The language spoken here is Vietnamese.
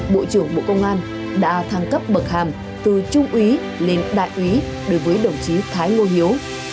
bộ trưởng bộ công an đã thăng cấp bậc hàm từ trung úy lên đại úy đối với đồng chí thái ngô hiếu